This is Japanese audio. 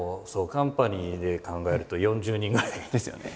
カンパニーで考えると４０人ぐらい。ですよね。